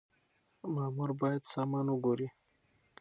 مامور بايد سامان وګوري.